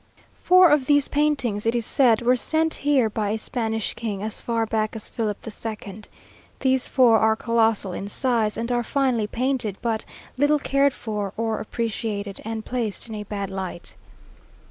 Four of these paintings, it is said, were sent here by a Spanish king, as far back as Philip II. These four are colossal in size, and are finely painted, but little cared for or appreciated, and placed in a bad light.